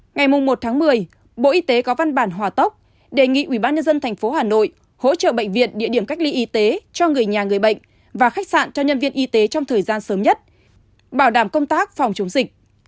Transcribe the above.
ngày một một mươi bộ y tế có văn bản hòa tốc đề nghị ubnd tp hà nội hỗ trợ bệnh viện địa điểm cách ly y tế cho người nhà người bệnh và khách sạn cho nhân viên y tế trong thời gian sớm nhất bảo đảm công tác phòng chống dịch